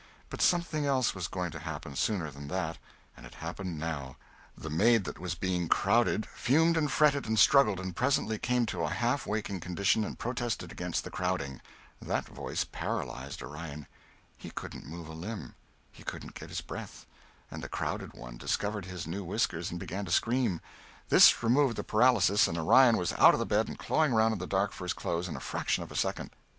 But something else was going to happen sooner than that, and it happened now. The maid that was being crowded fumed and fretted and struggled and presently came to a half waking condition and protested against the crowding. That voice paralyzed Orion. He couldn't move a limb; he couldn't get his breath; and the crowded one discovered his new whiskers and began to scream. This removed the paralysis, and Orion was out of bed and clawing round in the dark for his clothes in a fraction of a second.